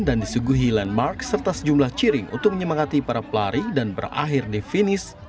dan disuguhi landmark serta sejumlah cheering untuk menyemangati para pelari dan berakhir di finish